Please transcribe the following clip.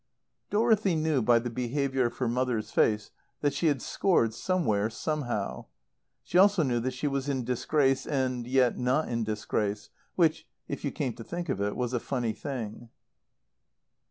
Dorothy knew by the behaviour of her mother's face that she had scored somewhere, somehow. She also knew that she was in disgrace and yet not in disgrace; which, if you came to think of it, was a funny thing.